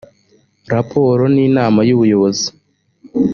raporo n inama y ubuyobozi